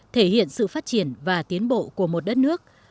thể hiện sự phát triển và tiến bộ của một đất nước